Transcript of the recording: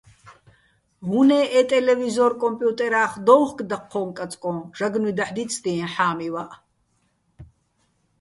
უ̂ნე ე ტელევიზორ-კომპიუტერა́ხ დოუხკო̆ დაჴჴოჼ-კაწკოჼ, ჟაგნუ́ჲ დაჰ̦ დიცდიეჼ ჰ̦ა́მივაჸ.